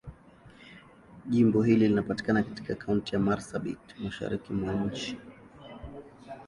Jimbo hili linapatikana katika Kaunti ya Marsabit, Mashariki mwa nchi.